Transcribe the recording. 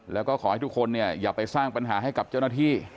แล้วก็ขอให้ทุกคนเนี่ยอย่าไปสร้างปัญหาให้กับเจ้าหน้าที่